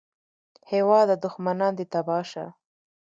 هېواده دوښمنان دې تباه شه